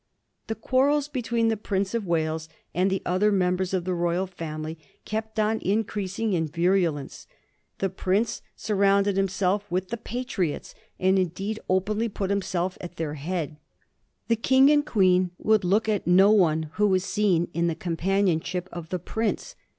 The quarrels between the Prince of Wales and the other members of the royal family kept on increasing in virulence. The prince surrounded himself with the Pa triots, and indeed openly put himself at their head. The King and Queen would look at no one who was seen in the companionship of the prince.